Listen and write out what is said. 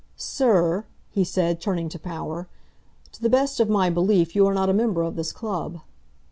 "Sir," he said, turning to Power, "to the best of my belief you are not a member of this club."